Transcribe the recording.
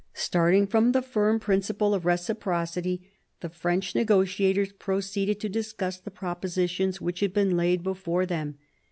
Starting from the firm principle of reciprocity, the French negotiators proceeded to discuss the pro positions which had been laid before them.